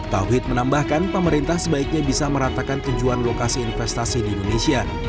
tauhid menambahkan pemerintah sebaiknya bisa meratakan tujuan lokasi investasi di indonesia